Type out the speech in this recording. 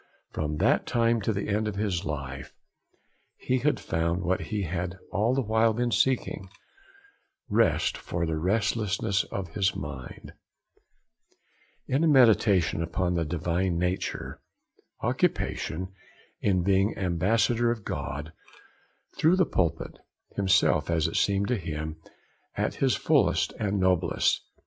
From that time to the end of his life he had found what he had all the while been seeking: rest for the restlessness of his mind, in a meditation upon the divine nature; occupation, in being 'ambassador of God,' through the pulpit; himself, as it seemed to him, at his fullest and noblest.